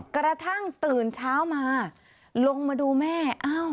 กระทั่งตื่นเช้ามาลงมาดูแม่